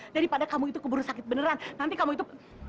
daripada kamu itu keburu sakit beneran nanti kamu itu